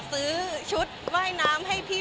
ซื้อชุดว่ายน้ำให้พี่